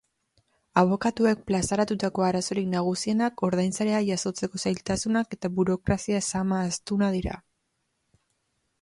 Abokatuek plazaratutako arazorik nagusienak ordainsaria jasotzeko zailtasunak eta burokrazia zama astuna dira.